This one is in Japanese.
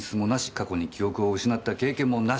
過去に記憶を失った経験もなし。